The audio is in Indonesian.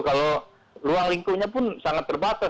kalau ruang lingkupnya pun sangat terbatas